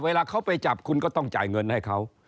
เวลาเขาไปจับคุณก็ต้องจ่ายเงินให้เขา